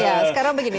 ya sekarang begini